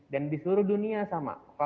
dan di seluruh dunia sama